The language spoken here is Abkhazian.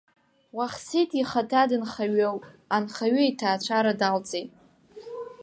Уахсиҭ ихаҭа дынхаҩуп, анхаҩы иҭаацәара далҵит.